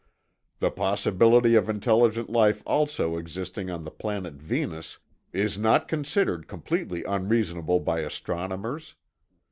The possibility of intelligent life also existing on the planet Venus is not considered completely unreasonable by astronomers.